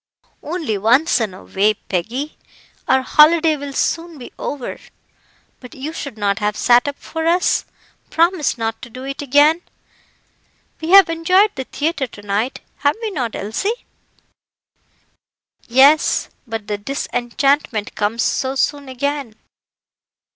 "Only once in a way, Peggy; our holiday will soon be over. But you should not have sat up for us promise not to do it again. We have enjoyed the theatre to night, have we not, Elsie?" "Yes, but the disenchantment comes so soon again."